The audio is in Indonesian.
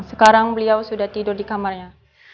sekarang beliau sudah tidur di kamarnya